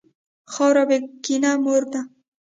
خاوره بېکینه مور ده.